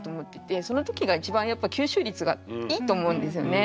その時が一番やっぱ吸収率がいいと思うんですよね。